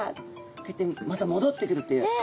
こうやってまたもどってくるという。え。